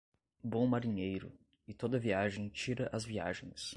Bom marinheiro, e toda viagem tira as viagens.